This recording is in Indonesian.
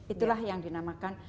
itulah yang dinamakan